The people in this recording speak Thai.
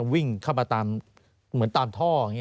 วิ่งเข้ามาตามเหมือนตามท่อ